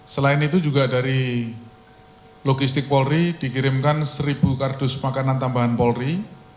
selain itu juga dari logistik polri dikirimkan seribu kardus makanan tambahan polri